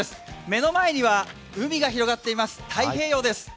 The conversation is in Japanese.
目の前には海が広がっています、太平洋です。